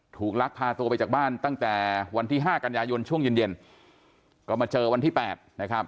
ลักพาตัวไปจากบ้านตั้งแต่วันที่ห้ากันยายนช่วงเย็นเย็นก็มาเจอวันที่๘นะครับ